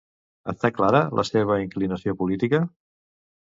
Està clara la seva inclinació política?